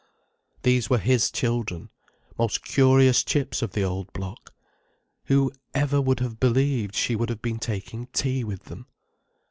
These were his children—most curious chips of the old block. Who ever would have believed she would have been taking tea with them.